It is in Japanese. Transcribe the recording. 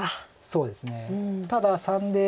そうですね。